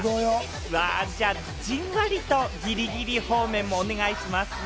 じゃあ、じんわりとギリギリ方面もお願いしますね。